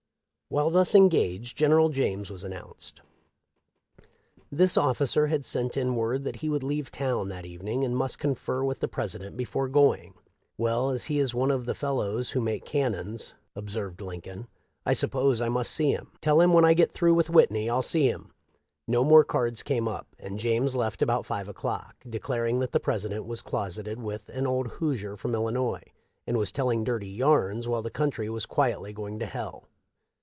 While thus engaged General James was announced. This ofificer had sent in word that he would leave town that evening, and must confer with the President before going. ' Well, as he is one of the fellows who make cannons,' observed Lincoln, ' I suppose I must see him. Tell him 544 THE LIFE OF LINCOLN. when I get through with Whitney I'll see him.' No more cards came up, and James left about five o'clock, declaring that the President was closeted with ' an old Hoosier from Illinois, and was telling dirty yarns while the country was quietly going to hell.'